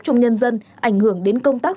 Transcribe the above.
trong nhân dân ảnh hưởng đến công tác